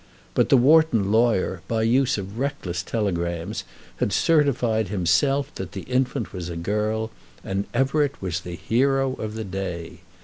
But the Wharton lawyer by use of reckless telegrams had certified himself that the infant was a girl, and Everett was the hero of the day.